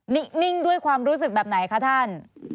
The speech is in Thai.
นิ่งด้วยความรู้สึกแบบไหนคะท่าน